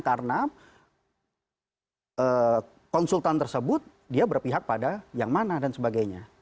karena konsultan tersebut dia berpihak pada yang mana dan sebagainya